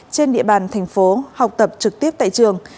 trên địa bàn thành phố học tập trực tiếp tại trường